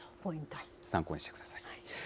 参考にしてください。